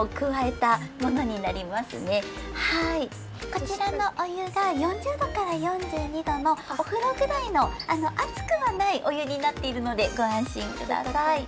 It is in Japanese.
こちらのおゆが４０どから４２どのおふろぐらいのあつくはないおゆになっているのでごあんしんください。